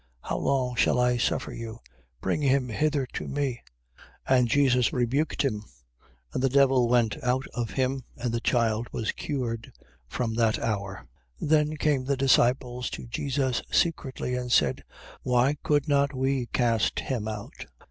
How long shall I suffer you? Bring him hither to me. 17:17. And Jesus rebuked him, and the devil went out of him, and the child was cured from that hour. 17:18. Then came the disciples to Jesus secretly, and said: Why could not we cast him out?